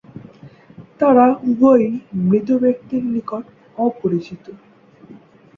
তারা উভয়ই মৃত ব্যক্তির নিকট অপরিচিত।